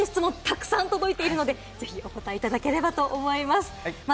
質問がたくさん届いているので、お答えいただければと思います。